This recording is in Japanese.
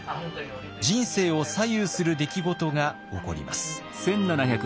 人生を左右する出来事が起こります。